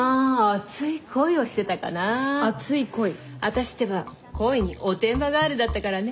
私ってば恋におてんばガールだったからね。